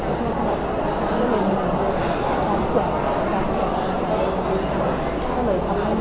เพราะชีวิตมีจริงสินภาษาของนักการาคุณ